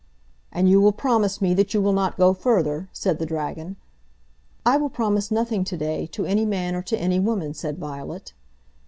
"And you will promise me that you will not go further," said the dragon. "I will promise nothing to day to any man or to any woman," said Violet.